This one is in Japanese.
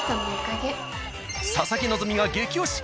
佐々木希がゲキ推し！